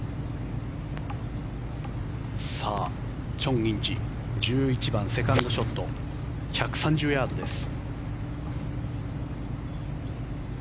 チョン・インジ１１番、セカンドショット１３０ヤードです。